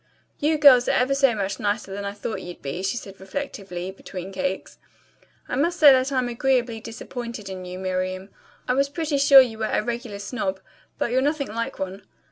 "You girls are ever so much nicer than I thought you'd be," she said reflectively, between cakes. "I must say that I'm agreeably disappointed in you, Miriam. I was pretty sure you were a regular snob, but you're nothing like one.